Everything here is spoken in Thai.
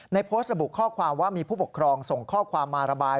โพสต์ระบุข้อความว่ามีผู้ปกครองส่งข้อความมาระบาย